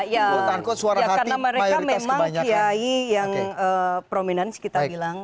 ya karena mereka memang kiai yang prominence kita bilang